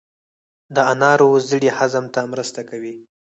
د انارو زړې هضم ته مرسته کوي.